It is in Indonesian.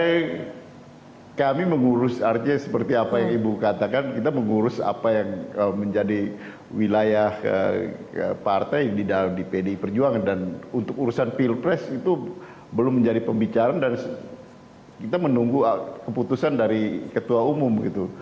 tapi kami mengurus artinya seperti apa yang ibu katakan kita mengurus apa yang menjadi wilayah partai di pdi perjuangan dan untuk urusan pilpres itu belum menjadi pembicaraan dan kita menunggu keputusan dari ketua umum gitu